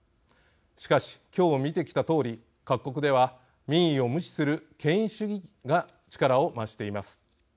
しかし、今日見てきたとおり各国では、民意を無視する権威主義が力を増しています。